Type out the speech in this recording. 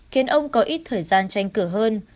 khiến ông có ít thời gian tranh cử hơn